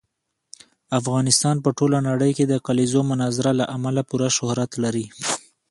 افغانستان په ټوله نړۍ کې د کلیزو منظره له امله پوره شهرت لري.